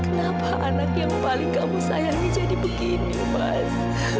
kenapa anak yang paling kamu sayangi jadi begitu mas